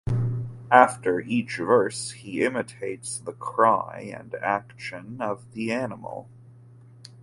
After each verse he imitates the cry and action of the animal.